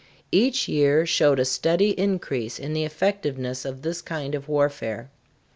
Each year showed a steady increase in the effectiveness of this kind of warfare.